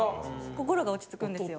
心が落ち着くんですよ。